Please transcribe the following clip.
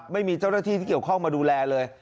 ไม่มีเจ้าหน้าที่ที่เกี่ยวข้องมาดูแลเลย